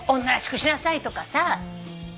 女らしくしなさいとかさ。